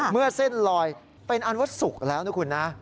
เมื่อเส้นลอยเป็นอันว่าสุกแล้วนะคุณนะ